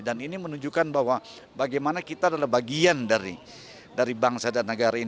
dan ini menunjukkan bahwa bagaimana kita adalah bagian dari bangsa dan negara ini